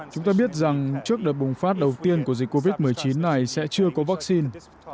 chúng ta biết rằng trước đợt bùng phát đầu tiên của dịch covid một mươi chín này sẽ chưa có vaccine